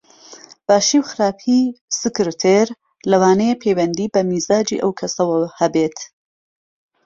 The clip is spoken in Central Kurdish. باشی و خراپی سکرتێر لەوانەیە پەیوەندی بە میزاجی ئەو کەسەوە هەبێت